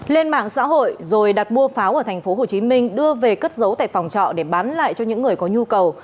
lên mạng xã hội rồi đặt mua pháo ở tp hcm đưa về cất giấu tại phòng trọ để bán lại cho những người có nhu cầu